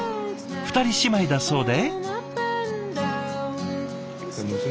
２人姉妹だそうで。